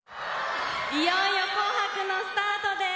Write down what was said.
いよいよ「紅白」のスタートです！